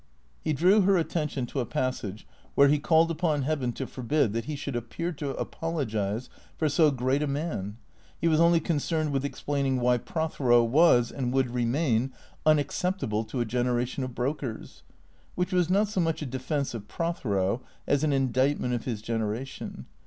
He drew her attention to a passage where he called upon Heaven to forbid that he should appear to apologize for so great a man. He was only concerned with explaining why Prothero was and would remain unacceptable to a generation of brokers; which was not so much a defence of Prothero as an indictment of his generation.